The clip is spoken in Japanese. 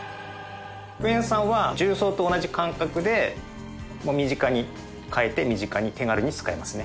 クエン酸は重曹と同じ感覚で身近に買えて身近に手軽に使えますね。